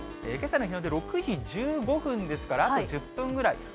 けさの日の出、６時１５分ですから、あと１０分ぐらい。